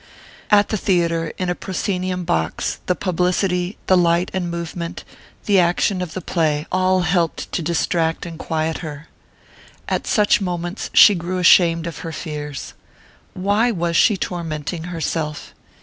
At the theatre, in a proscenium box, the publicity, the light and movement, the action of the play, all helped to distract and quiet her. At such moments she grew ashamed of her fears. Why was she tormenting herself?